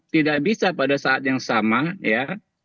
tidak bisa pada saat yang sama ya